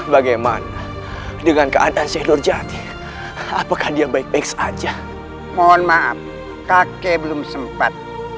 bagaimana dengan keadaan sedur jati apakah dia baik baik saja mohon maaf kakek belum sempat